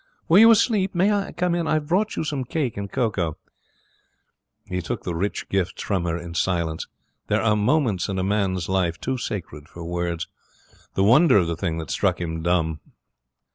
'Were you asleep? May I come in? I've brought you some cake and cocoa.' He took the rich gifts from her in silence. There are moments in a man's life too sacred for words. The wonder of the thing had struck him dumb.